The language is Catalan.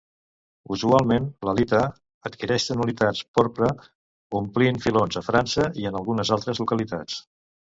Usualment, l'halita adquireix tonalitats porpra omplint filons a França i en algunes altres localitats.